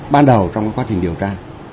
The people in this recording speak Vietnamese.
ban đầu trong quá trình điều tra